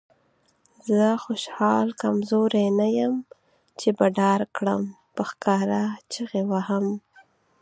زه خوشحال کمزوری نه یم چې به ډار کړم. په ښکاره چیغې وهم.